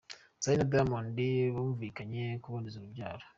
Zari na Diamond bumvikanye kuboneza urubyaro.